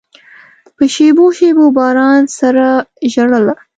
په شېبو، شېبو باران سره ژړله